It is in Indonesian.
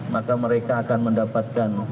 maka mereka akan mendapatkan